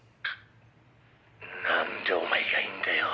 「何でお前がいるんだよ？」